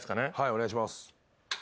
お願いします。